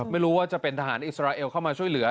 ไม่รู้ว่าจะเป็นทหารอิสราเอลเข้ามาช่วยเหลือ